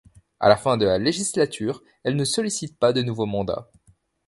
A la fin de la législature, elle ne sollicite pas de nouveau mandat.